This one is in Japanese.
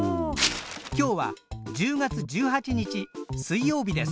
今日は１０月１８日水曜日です。